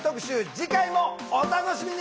次回もお楽しみに！